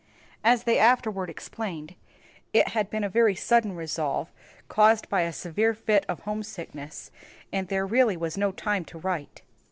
As they afterward explained, it had been a very sudden resolve, caused by a severe fit of homesickness, and there really was no time to write.